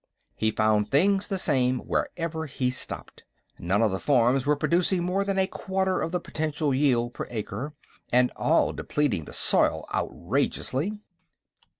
He found things the same wherever he stopped. None of the farms were producing more than a quarter of the potential yield per acre, and all depleting the soil outrageously.